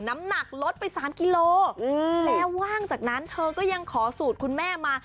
น้ำหนักลดไป๓กิโลแล้วว่างจากนั้นเธอก็ยังขอสูตรคุณแม่มา